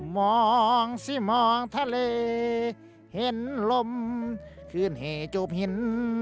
มองสิมองทะเลเห็นลมคืนเหจูบหิน